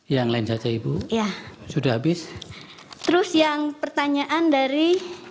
yang lain saja ibu ya sudah habis terus yang pertanyaan dari